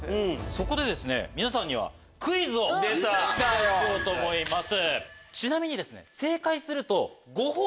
そこで皆さんにはクイズを出題しようと思います。